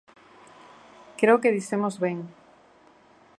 Creo que dixemos ben.